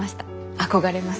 憧れます。